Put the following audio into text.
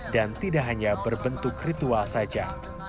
dan tidak hanya berbentuk ritual saja